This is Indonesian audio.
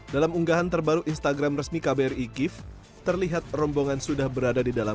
dalam unggahan terbaru instagram resmi kbri kiev terlihat rombongan sudah berada di dalam